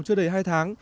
chưa đầy hai tháng